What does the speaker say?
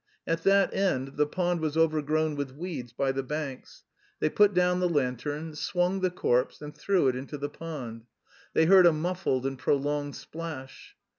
At that end the pond was overgrown with weeds by the banks. They put down the lantern, swung the corpse and threw it into the pond. They heard a muffled and prolonged splash.